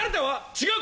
「違う！